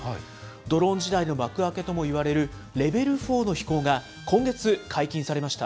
ドローン時代の幕開けともいわれる、レベル４の飛行が今月解禁されました。